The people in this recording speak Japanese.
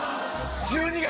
１２月！